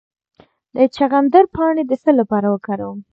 د چغندر پاڼې د څه لپاره وکاروم؟